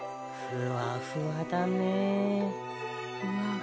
ふわふわですね。